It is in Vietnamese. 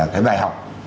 cái bài học